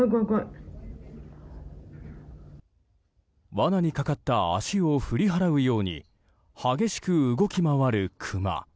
罠にかかった足を振り払うように激しく動き回るクマ。